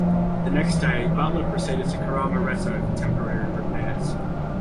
The next day, "Butler" proceeded to Kerama Retto for temporary repairs.